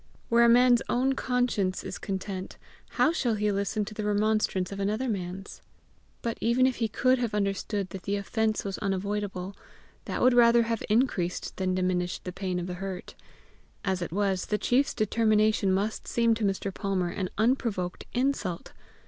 Where a man's own conscience is content, how shall he listen to the remonstrance of another man's! But even if he could have understood that the offence was unavoidable, that would rather have increased than diminished the pain of the hurt; as it was, the chief's determination must seem to Mr. Palmer an unprovoked insult!